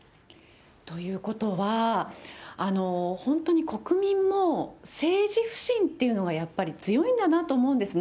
ということは、本当に国民も政治不信っていうのがやっぱり強いんだなと思うんですね。